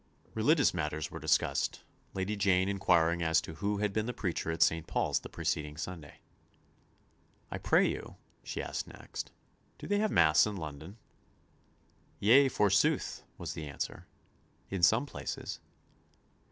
Religious matters were discussed, Lady Jane inquiring as to who had been the preacher at St. Paul's the preceding Sunday. "I pray you," she asked next, "have they Mass in London?" "Yea, forsooth," was the answer, "in some places."